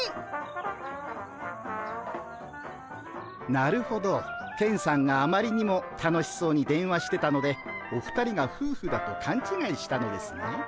なるほどケンさんがあまりにも楽しそうに電話してたのでお二人がふうふだとかんちがいしたのですね。